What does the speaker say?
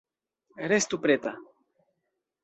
Restu preta.